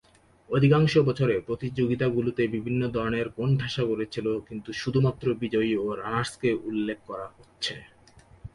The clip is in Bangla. অধিকাংশ বছরে প্রতিযোগিতাগুলিতে বিভিন্ন ধরনের কোণঠাসা করে ছিল কিন্তু শুধুমাত্র বিজয়ী ও রানার্সকে উল্লেখ করা হচ্ছে।